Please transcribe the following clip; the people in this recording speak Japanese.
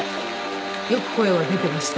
よく声は出ていました。